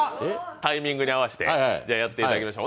タイミングに合わせてやっていただきましょう。